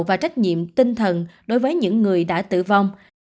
lây nhiễm tinh thần đối với những người đã tử vong